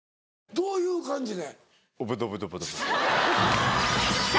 どういう感じで？